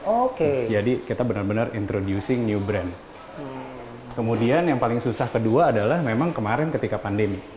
oke jadi kita benar benar introducing new brand kemudian yang paling susah kedua adalah memang kemarin ketika pandemi